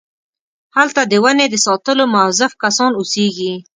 هلته د ونې د ساتلو موظف کسان اوسېږي.